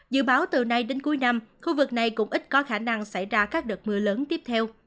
dự báo từ nay đến cuối năm khu vực này cũng ít có khả năng xảy ra các đợt mưa lớn tiếp theo